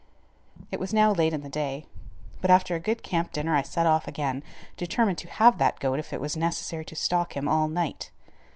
It was now late in the day, but after a good camp dinner I set off again, determined to have that goat if it was necessary to stalk him all night.